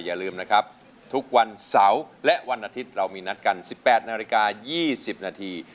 อย่าลืมนะครับทุกวันเสาร์และวันอาทิตย์เรามีนัดกัน๑๘นาฬิกา๒๐นาที